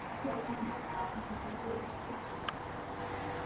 Kijana alirudi.